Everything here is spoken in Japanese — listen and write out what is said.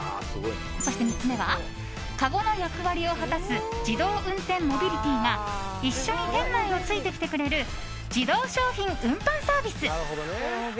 そして、３つ目はかごの役割を果たす自動運転モビリティーが一緒に店内をついてきてくれる自動商品運搬サービス。